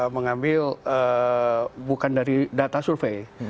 mengambil bukan dari data survei